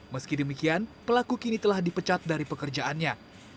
meski demikian pelaku kini telah dipecat dari pekerjaannya